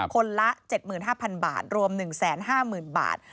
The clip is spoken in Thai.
คนละ๗๕๐๐บาทรวม๑๕๐๐๐บาท